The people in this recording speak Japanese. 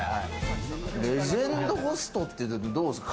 レジェンドホストってどうですか？